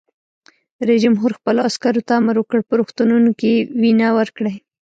رئیس جمهور خپلو عسکرو ته امر وکړ؛ په روغتونونو کې وینه ورکړئ!